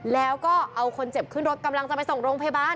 แล้วก็เอาคนเจ็บขึ้นรถกำลังจะไปส่งโรงพยาบาล